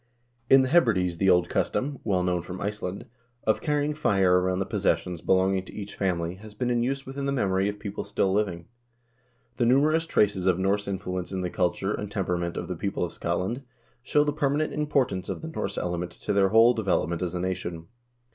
In the Hebrides the old custom, well known from Iceland, of carrying fire around the possessions belonging to each family has been in use within the memory of people still living. The numerous traces of Norse influence in the culture and temperament of the people of Scotland show the permanent importance of the Norse element to their whole development as a nation.